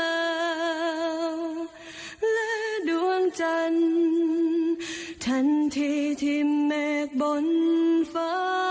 และดวงจันทร์ทันทีทิมเมฆบนฟ้า